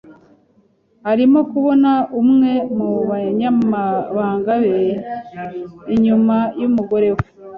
Arimo kubona umwe mu banyamabanga be inyuma y'umugore we.